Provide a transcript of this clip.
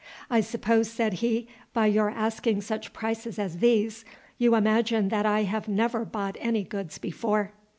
"I suppose," said he, "by your asking such prices as these, you imagine that I have never bought any goods before."